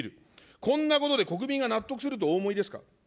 こんなことで国民が納得するとお思いですか。